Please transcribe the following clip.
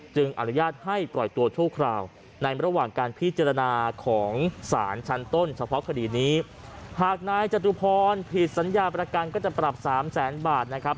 อนุญาตให้ปล่อยตัวชั่วคราวในระหว่างการพิจารณาของสารชั้นต้นเฉพาะคดีนี้หากนายจตุพรผิดสัญญาประกันก็จะปรับสามแสนบาทนะครับ